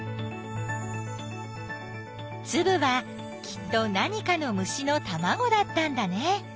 つぶはきっと何かの虫のたまごだったんだね！